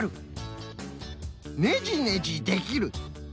「ねじねじできる」。